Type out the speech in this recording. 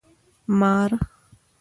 🪱 مار